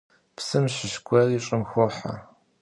Псым щыщ гуэри щӀым хохьэ.